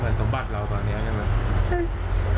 แล้วคุณป้าบอกรถคันเนี้ยเป็นรถคู่ใจเลยนะใช้มานานแล้วในการทำมาหากิน